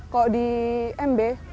kalau di mb